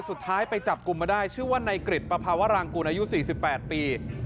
สุดท้ายไปจับกลุ่มมาได้ชื่อว่านายกริจปภาวรางกูลอายุ๔๘ปี